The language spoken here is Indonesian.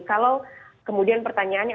kalau kemudian pertanyaannya